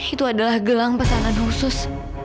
itu adalah gelang pesanan khusus